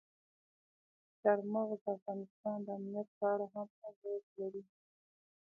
چار مغز د افغانستان د امنیت په اړه هم اغېز لري.